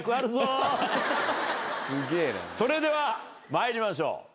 それでは参りましょう。